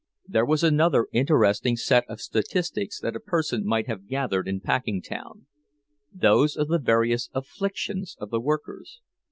There was another interesting set of statistics that a person might have gathered in Packingtown—those of the various afflictions of the workers.